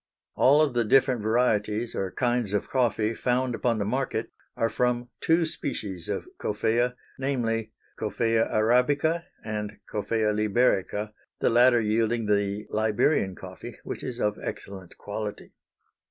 All of the different varieties or kinds of coffee found upon the market are from two species of Coffea; namely, C. Arabica and C. Liberica; the latter yielding the Liberian coffee, which is of excellent quality.